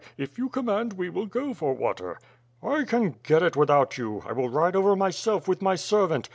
If you command, we will go for water." "I can get it without you. T will ride over myself with my servant.